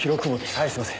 はいすいません。